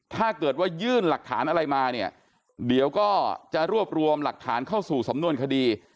ถ้าเกิดว่ายื่นหลักฐานอะไรมาเนี่ยเดี๋ยวก็จะรวบรวมหลักฐานเข้าสู่สำนวนคดี